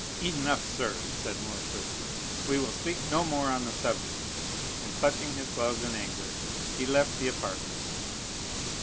"Enough, sir," said Morcerf, "we will speak no more on the subject." And clutching his gloves in anger, he left the apartment.